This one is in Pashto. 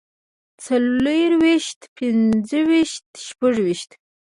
څلورويشت پنځويشت شپږويشت